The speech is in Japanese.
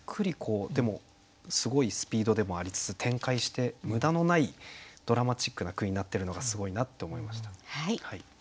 でもすごいスピードでもありつつ展開して無駄のないドラマチックな句になってるのがすごいなって思いました。